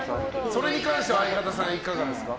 それに関して相方さん、いかがですか？